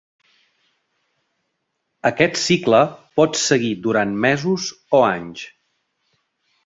Aquest cicle pot seguir durant mesos o anys.